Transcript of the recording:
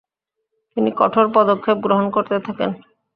তিনি কঠোর পদক্ষেপ গ্রহণ করতে থাকেন।